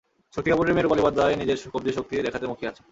শক্তি কাপুরের মেয়ে রুপালি পর্দায় নিজের কবজির শক্তি দেখাতে মুখিয়ে আছেন।